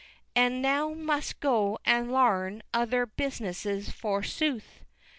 And now must go and Larn other Buisnesses Four Sooth!